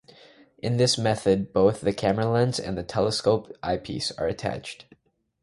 In this method both the camera lens and the telescope eyepiece are attached.